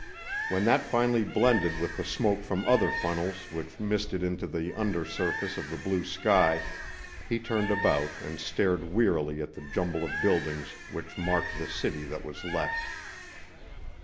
When that finally blended with the smoke from other funnels which misted into the under surface of the blue sky, he turned about and stared wearily at the jumble of buildings which marked the city that was left.